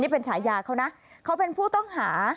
เป็นฉายาเขานะเขาเป็นผู้ต้องหา